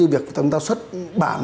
việc chúng ta xuất bản